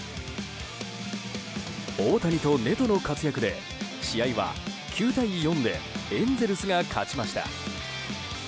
大谷とネトの活躍で試合は９対４でエンゼルスが勝ちました。